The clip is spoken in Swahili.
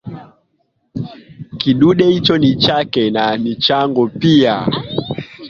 Kidude hicho ni chake na ni changu pia